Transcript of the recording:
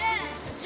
１０。